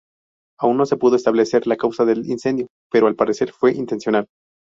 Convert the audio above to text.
Aún no se pudo establecer la causa del incendio, pero al parecer fue intencional.